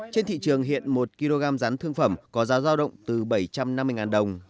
trên thị trường hiện một kg rán thương phẩm có giá giao động từ bảy trăm năm mươi đồng